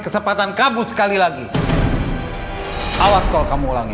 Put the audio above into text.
kesempatan kamu sekali lagi awas kalau kamu ulangi